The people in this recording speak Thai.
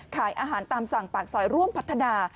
ขายอาหารตามสั่งปากซอยร่วมพัฒนา